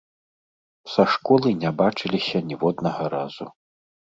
Са школы не бачыліся ніводнага разу.